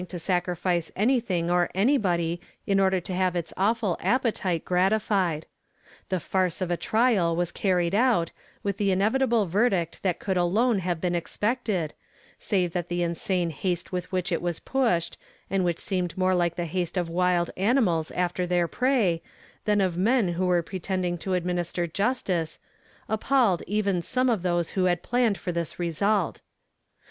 311 to sacrifice anything or anybody in order to have Its awful appetite gratilied. 'J'lie farce of a trial was carried out, with the inevitable verdict that could alone have been expected, save that the in sane haste with which it was pushed, and wliich seemed more like the haste of wild animals after their prey, than of men who were pretending to ad minister justice, appalled even some of those who had planned for this result.